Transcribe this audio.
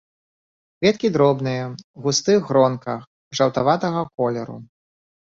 Кветкі дробныя, у густых гронках, жаўтаватага колеру.